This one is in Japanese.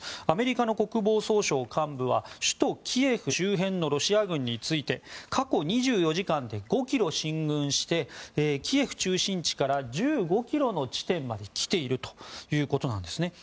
アメリカの国防総省幹部は首都キエフのロシア軍について過去２４時間で５ｋｍ進軍してキエフ中心地から１５ｋｍの地点まで来ているということなんです。